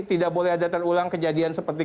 tidak boleh ada terulang kejadian seperti